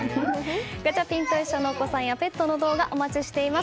ガチャピンといっしょ！のお子さんやペットの動画お待ちしています。